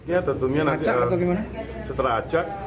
ya tentunya nanti setelah ajak